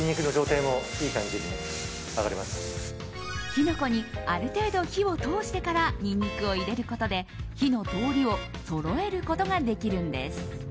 キノコにある程度、火を通してからニンニクを入れることで火の通りをそろえることができるんです。